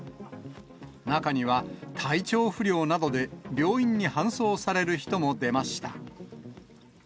中には、体調不良などで病院に搬送される人も出ました。